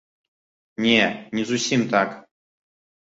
Не, не зусім так.